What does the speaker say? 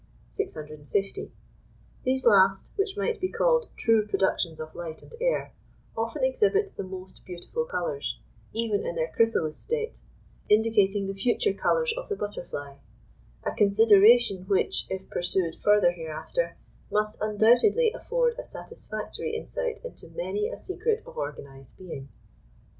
650. These last, which might be called true productions of light and air, often exhibit the most beautiful colours, even in their chrysalis state, indicating the future colours of the butterfly; a consideration which, if pursued further hereafter, must undoubtedly afford a satisfactory insight into many a secret of organised being.